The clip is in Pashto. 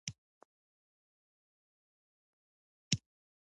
مېړنی هغه څوک و چې یادښت یې لیکلی و.